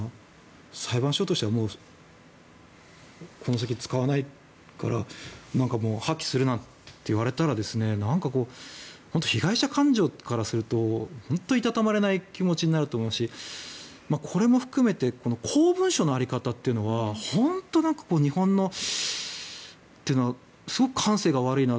裁判所としてはこの先使わないから破棄するなんて言われたら被害者感情からすると本当にいたたまれない気持ちになると思うしこれも含めて公文書の在り方というのは本当に日本のすごく感性が悪いなと。